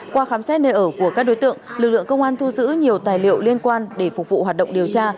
qua khám xét nơi ở của các đối tượng lực lượng công an thu giữ nhiều tài liệu liên quan để phục vụ hoạt động điều tra